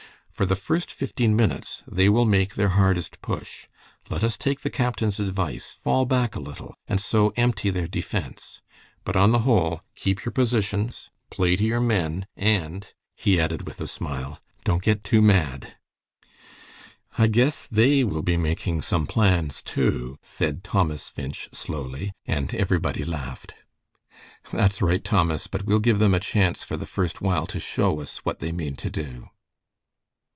For the first fifteen minutes they will make their hardest push. Let us take the captain's advice, fall back a little, and so empty their defense. But on the whole, keep your positions, play to your men, and," he added, with a smile, "don't get too mad." "I guess they will be making some plans, too," said Thomas Finch, slowly, and everybody laughed. "That's quite right, Thomas, but we'll give them a chance for the first while to show us what they mean to do."